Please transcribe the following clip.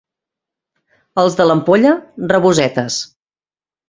Els de l'Ampolla, rabosetes.